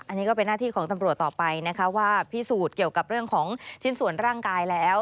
อันนี้ก็เป็นหน้าที่ของตำรวจต่อไปนะคะว่าพิสูจน์เกี่ยวกับเรื่องของชิ้นส่วนร่างกายแล้ว